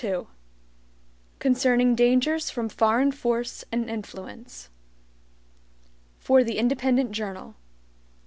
2 Concerning Dangers from Foreign Force and Influence For the Independent Journal.